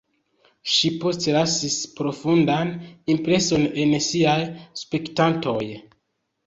Ŝi postlasis profundan impreson en siaj spektantoj.